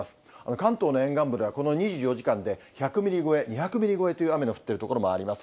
関東の沿岸部ではこの２４時間で、１００ミリ超え、２００ミリ超えという雨の降っている所もあります。